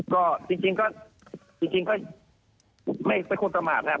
ก็จริงก็ไม่ควรประมาทนะครับ